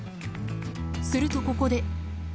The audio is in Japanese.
するとここで。